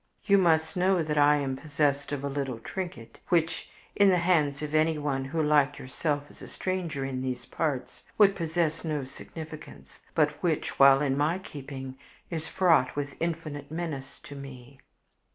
"You must know that I am possessed of a little trinket which, in the hands of anyone who, like yourself, is a stranger in these parts, would possess no significance, but which while in my keeping is fraught with infinite menace to me."